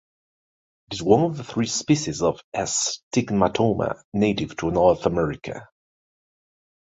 It is one of three species of S"tigmatomma" native to North America.